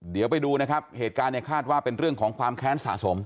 เดี๋ยวไปดูนะครับเหตุการณ์เนี่ยคาดว่าเป็นเรื่องของความแค้นสะสม